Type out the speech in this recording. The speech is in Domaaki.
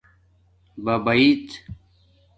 بباݶڎ